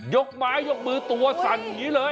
ยกไม้ยกมือตัวสั่นอย่างนี้เลย